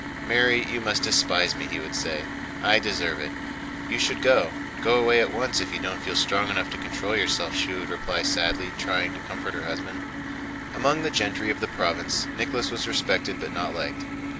"Mary, you must despise me!" he would say. "I deserve it." "You should go, go away at once, if you don't feel strong enough to control yourself," she would reply sadly, trying to comfort her husband. Among the gentry of the province Nicholas was respected but not liked.